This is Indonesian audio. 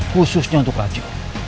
khususnya untuk rajo